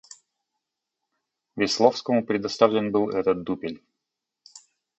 Весловскому предоставлен был этот дупель.